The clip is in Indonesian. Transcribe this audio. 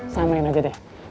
sama aja deh